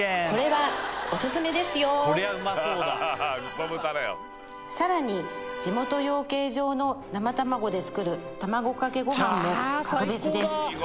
これはさらに地元養鶏場の生卵で作る卵かけごはんも格別です